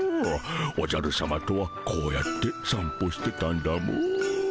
おじゃるさまとはこうやって散歩してたんだモ。